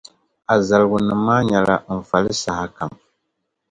A zaligunim’ maa nyɛla n fali sahakam.